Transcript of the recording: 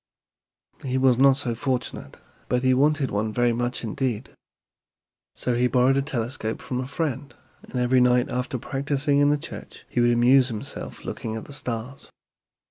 "He was not so fortunate, but he wanted one very much indeed. So he borrowed a telescope from a friend, and every night after practicing in the church he would amuse himself looking at the stars.